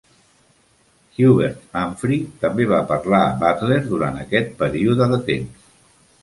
Hubert Humphrey també va parlar a Butler durant aquest període de temps.